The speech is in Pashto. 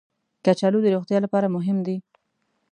کچالو د روغتیا لپاره مهم دي